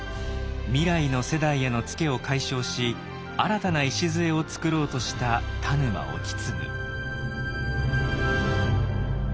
未来の世代へのツケを解消し新たな礎を作ろうとした田沼意次。